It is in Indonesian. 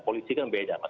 polisi kan beda